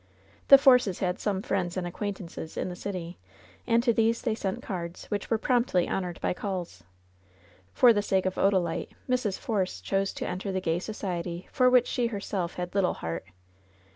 The Forces had some friends and acquaintances in the city, and to these they sent cards, which were promptly honored by calls. For the sake of Odalite, Mrs. Force chose to enter the gay society for which she herself had little heart.